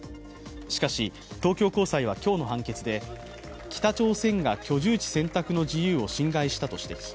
しかし、東京高裁は今日の判決で北朝鮮が居住地選択の自由を侵害したと指摘。